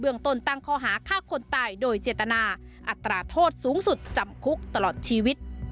ตนตั้งข้อหาฆ่าคนตายโดยเจตนาอัตราโทษสูงสุดจำคุกตลอดชีวิต